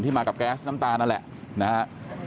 มากับแก๊สน้ำตาลนั่นแหละนะฮะ